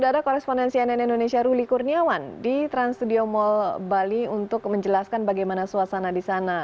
dan sudah ada koresponden cnn indonesia ruli kurniawan di trans studio mall bali untuk menjelaskan bagaimana suasana di sana